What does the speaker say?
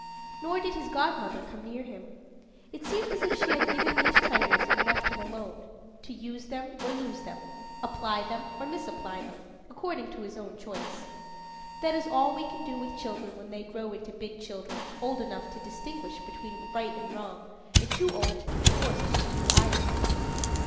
Nor did his godmother come near him. It seemed as if she had given these treasures and left him alone to use them or lose them, apply them or misapply them, according to his own choice. That is all we can do with children when they grow into big children old enough to distinguish between right and wrong, and too old to be forced to do either.